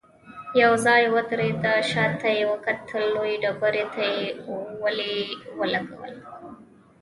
يو ځای ودرېده، شاته يې وکتل، لويې ډبرې ته يې ولي ولګول.